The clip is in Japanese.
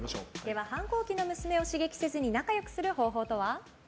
反抗期の娘を刺激せずに仲良くする方法とは？